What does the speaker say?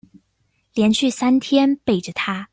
連續三天背著她